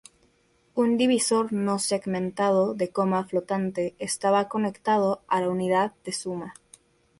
Un divisor no segmentado de coma flotante estaba conectado a la unidad de suma.